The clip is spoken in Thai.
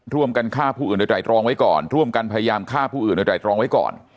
ร่วมกันฆ่าผู้อื่นโดยไตรรองไว้ก่อนร่วมกันพยายามฆ่าผู้อื่นโดยไตรตรองไว้ก่อน